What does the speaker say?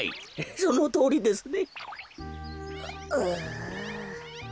そのとおりですね。